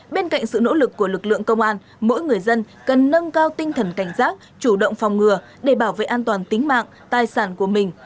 bên cạnh sự nỗ lực của lực lượng công an mỗi người dân cần nâng cao tinh thần cảnh giác chủ động phòng ngừa để bảo vệ an toàn tính mạng tài sản của mình